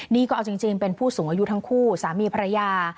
นี่ก็เอาจริงเป็นผู้สูงอายุทั้งคู่สามีภรรยา